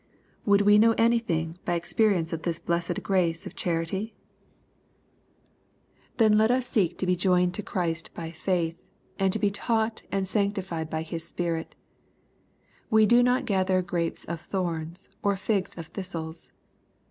Would we know anything by experience of this bless ed grace of charity ? Then let us seek to be j uned to LUKB, CHAP. VI. 187 Christ by faith, and to be taught and sanctified by His Spirit. We do not gather grapes of thorns, or figs of thistles.